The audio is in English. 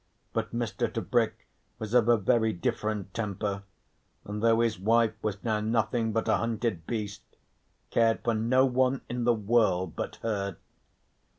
But Mr. Tebrick was of a very different temper, and though his wife was now nothing but a hunted beast, cared for no one in the world but her.